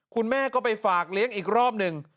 คุณแม่ก็ไปฝากเลี้ยงอีกรอบหนึ่ง